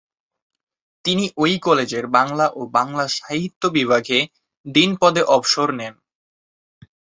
তিনি ওই কলেজের বাংলা ও বাংলা সাহিত্য বিভাগে ডিন পদে অবসর নেন।